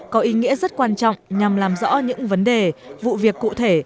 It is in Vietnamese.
có ý nghĩa rất quan trọng nhằm làm rõ những vấn đề vụ việc cụ thể